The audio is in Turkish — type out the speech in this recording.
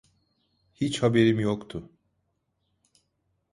Hiç haberim yoktu.